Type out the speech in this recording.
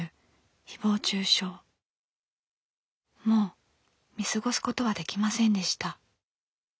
もう見過ごすことはできませんでした。